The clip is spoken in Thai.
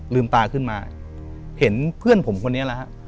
ลืมตาขึ้นมาเห็นเพื่อนผมคนนี้แล้วครับ